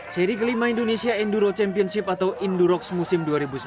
seri kelima indonesia enduro championship atau endurox musim dua ribu sembilan belas